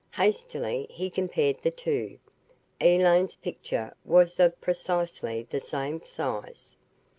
Hastily he compared the two. Elaine's picture was of precisely the same size.